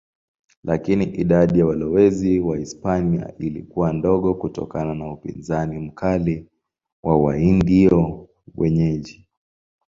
Lakini idadi ya walowezi Wahispania ilikuwa ndogo kutokana na upinzani mkali wa Waindio wenyeji.